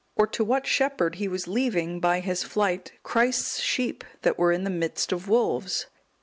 or to what shepherd he was leaving, by his flight, Christ's sheep that were in the midst of wolves?